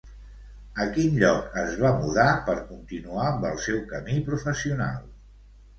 A quin lloc es va mudar per continuar amb el seu camí professional?